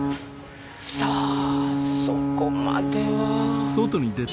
さあそこまでは。